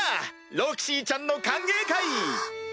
ロキシーちゃんの歓迎会！